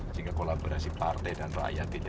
sehingga kolaborasi partai dan rakyat